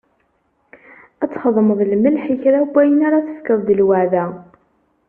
Ad txedmeḍ lmelḥ i kra n wayen ara tefkeḍ d lweɛda.